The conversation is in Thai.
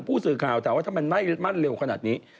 พูดสืบข่าวแต่ว่าถ้ามันไม่มั่นเร็วขนาดนี้